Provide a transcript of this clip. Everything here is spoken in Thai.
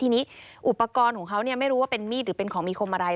ทีนี้อุปกรณ์ของเขาไม่รู้ว่าเป็นมีดหรือเป็นของมีคมอะไร